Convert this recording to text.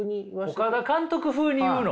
岡田監督風に言うの？